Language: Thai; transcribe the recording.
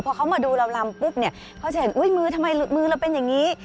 พอเขามาดูเราลำปุ๊บเนี่ยเขาจะเห็นอุ๊ยมือทำไมมือเราเป็นอย่างนี้